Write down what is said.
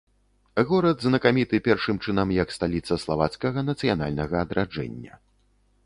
Горад знакаміты першым чынам як сталіца славацкага нацыянальнага адраджэння.